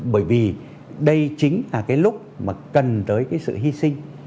bởi vì đây chính là cái lúc mà cần tới cái sự sức động